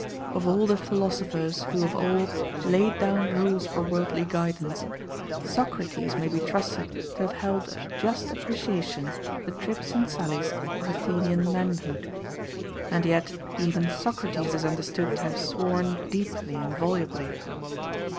Of all the philosophers who of old laid down rules for worldly guidance, Socrates may be trusted to have held at a just appreciation the trips and sallies of Athenian manhood. And yet even Socrates is understood to have sworn deeply and volubly.